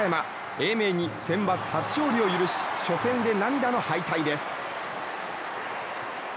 英明にセンバツ初勝利を許し初戦で涙の敗退です。